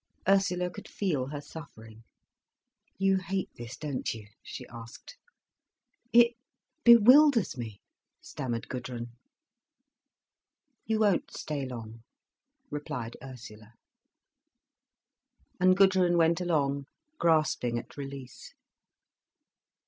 Ursula could feel her suffering. "You hate this, don't you?" she asked. "It bewilders me," stammered Gudrun. "You won't stay long," replied Ursula. And Gudrun went along, grasping at release.